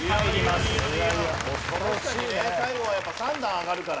最後はやっぱ３段上がるから。